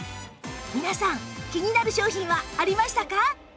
皆さん気になる商品はありましたか？